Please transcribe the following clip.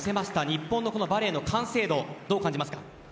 日本のこのバレーの完成度どう感じますか？